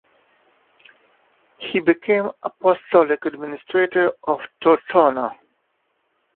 He became apostolic administrator of Tortona.